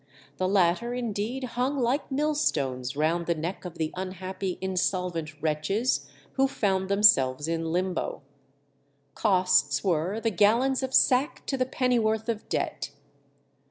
The latter indeed hung like millstones round the neck of the unhappy insolvent wretches who found themselves in limbo. Costs were the gallons of sack to the pennyworth of debt.